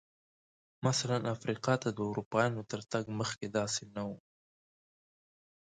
مثلاً افریقا ته د اروپایانو تر تګ مخکې داسې نه و.